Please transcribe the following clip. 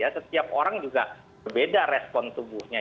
setiap orang juga berbeda respon tubuhnya